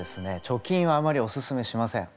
貯金はあまりおすすめしません。